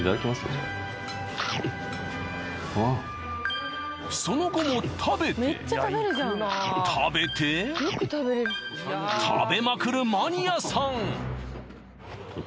じゃあその後も食べて食べて食べまくるマニアさん